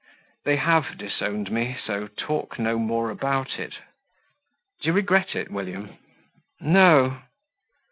"They have disowned me; so talk no more about it." "Do you regret it, William?" "No."